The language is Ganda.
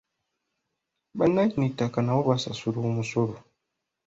Bannannyini ttaka nabo basasula omusolo.